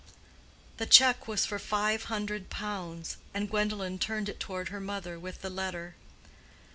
The check was for five hundred pounds, and Gwendolen turned it toward her mother, with the letter.